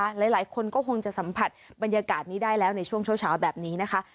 หลายคนก็คงจะสัมผัสบรรยากาศนี้ได้แล้วในช่วงเช้าแบบนี้นะคะ